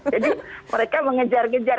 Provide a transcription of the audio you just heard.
jadi mereka mengejar ngejar